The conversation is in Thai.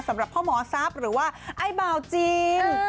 สำหรับพ่อหมอซับหรือว่าไอ้เบาจีน